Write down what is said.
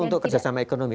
untuk kerjasama ekonomi